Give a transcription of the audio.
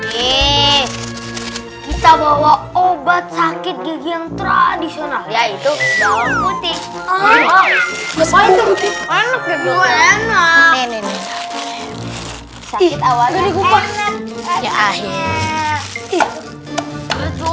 kita bawa obat sakit gigi yang tradisional yaitu sakit